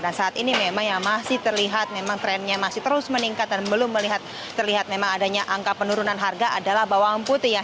dan saat ini memang yang masih terlihat memang trennya masih terus meningkat dan belum terlihat memang adanya angka penurunan harga adalah bawang putih